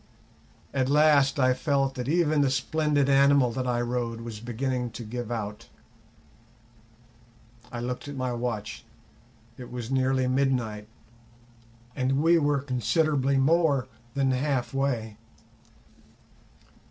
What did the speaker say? At last I felt that even the splendid animal that I rode was beginning to give out. I looked at my watch; it was nearly midnight, and we were considerably more than half way.